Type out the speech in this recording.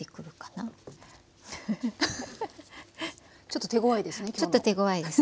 ちょっと手ごわいですね今日のは。